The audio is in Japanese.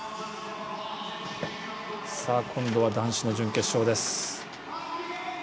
今度は男子の準決勝です。